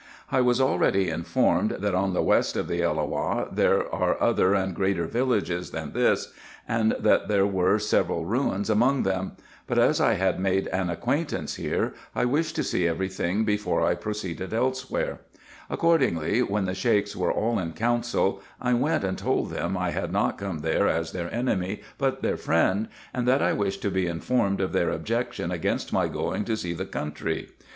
I was already informed, that on the west of the Elloah there are other and greater villages than this, and that there were several ruins among them ; but as I had made an acquaintance here, I wished to see every thing before I proceeded elsewhere. Ac cordingly, when the Shieks were all in council, I went and told them I had not come there as their enemy, but their friend, and that I wished to be informed of their objection against my going to see the 408 RESEARCHES AND OPERATIONS country.